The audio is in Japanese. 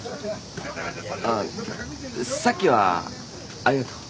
あっさっきはありがとう。